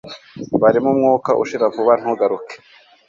barimo umwuka ushira vuba, ntugaruke